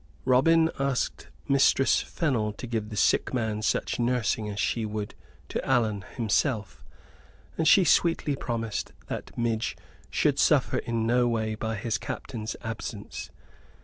Robin asked Mistress Fennel to give the sick man such nursing as she would to Allan himself; and she sweetly promised that Midge should suffer in no way by his captain's absence.